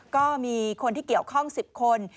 ก็มีคนที่เกี่ยวข้อง๑๐คน